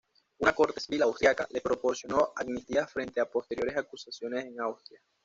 Una corte civil austriaca le proporcionó amnistía frente a posteriores acusaciones en Austria.